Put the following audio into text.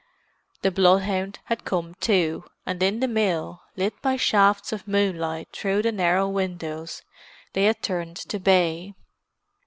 The bloodhound had come, too, and in the mill, lit by shafts of moonlight through the narrow windows, they had turned to bay.